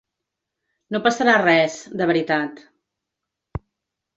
No passarà res, de veritat.